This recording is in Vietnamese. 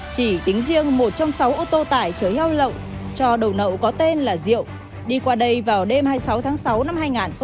chỉ tính riêng một trong sáu ô tô tải chở heo lậu cho đầu nậu có tên là diệu đi qua đây vào đêm hai mươi sáu tháng sáu năm hai nghìn hai mươi ba